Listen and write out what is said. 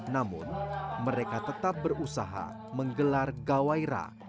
namun mereka tetap berusaha menggelar gawai ra